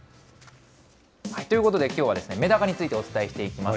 ということで、きょうはメダカについてお伝えしていきます。